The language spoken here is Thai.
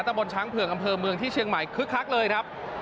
บนช้างเผือกอำเภอเมืองที่เชียงใหม่คึกคักเลยครับ